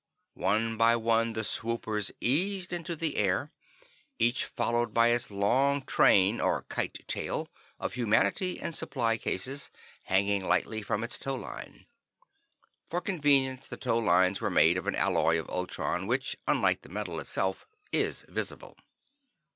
One by one the swoopers eased into the air, each followed by its long train or "kite tail" of humanity and supply cases hanging lightly from its tow line. For convenience, the tow lines were made of an alloy of ultron which, unlike the metal itself, is visible.